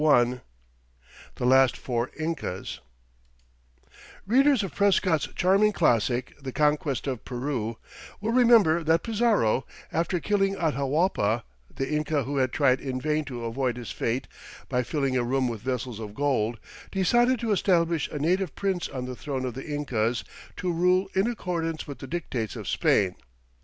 CHAPTER IX The Last Four Incas Readers of Prescott's charming classic, "The Conquest of Peru," will remember that Pizarro, after killing Atahualpa, the Inca who had tried in vain to avoid his fate by filling a room with vessels of gold, decided to establish a native prince on the throne of the Incas to rule in accordance with the dictates of Spain.